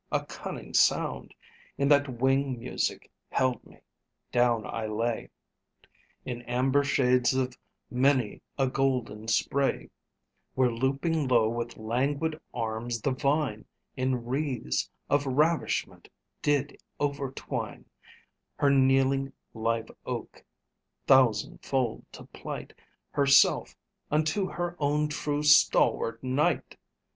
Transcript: A cunning sound In that wing music held me: down I lay In amber shades of many a golden spray, Where looping low with languid arms the Vine In wreaths of ravishment did overtwine Her kneeling Live Oak, thousand fold to plight Herself unto her own true stalwart knight.